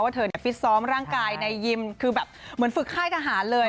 เธอฟิตซ้อมร่างกายในยิมคือแบบเหมือนฝึกค่ายทหารเลย